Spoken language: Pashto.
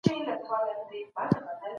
ایا څېړنه په نړیوالو معیارونو برابره ده؟